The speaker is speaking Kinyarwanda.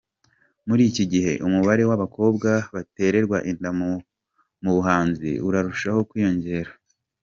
Muri iki gihe umubare w’abakobwa batererwa inda mu buhanzi urarushaho kwiyongera.